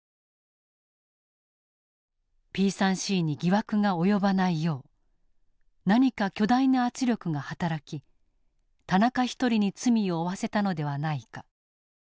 Ｐ３Ｃに疑惑が及ばないよう何か巨大な圧力が働き田中一人に罪を負わせたのではないか。